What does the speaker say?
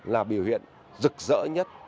là biểu hiện rực rỡ nhất